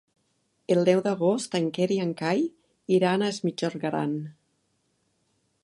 El deu d'agost en Quer i en Cai iran a Es Migjorn Gran.